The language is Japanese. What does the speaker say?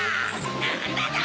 なんだと！